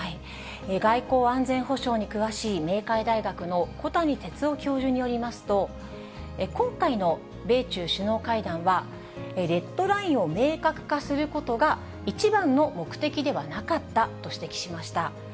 外交・安全保障に詳しい明海大学の小谷哲男教授によりますと、今回の米中首脳会談は、レッドラインを明確化することが一番の目的ではなかったと指摘しました。